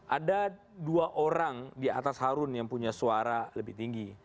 ada dua orang di atas harun yang punya suara lebih tinggi